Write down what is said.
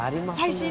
最新？